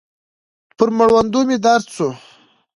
پر مړوندو مې درد سو.